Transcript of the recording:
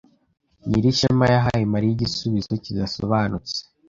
Nyirishema yahaye Mariya igisubizo kidasobanutse.